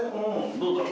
どうだろ？